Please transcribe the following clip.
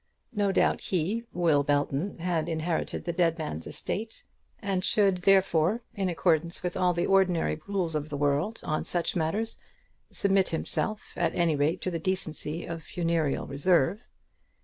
No doubt he, Will Belton, had inherited the dead man's estate, and should, therefore, in accordance with all the ordinary rules of the world on such matters, submit himself at any rate to the decency of funereal reserve.